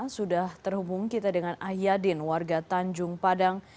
sudah terhubung kita dengan ahyadin warga tanjung padang